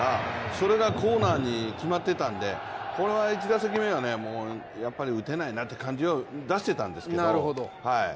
それがコーナーに決まってたんでこれは１打席目はやっぱり打てないなという感じは出してたんですけど。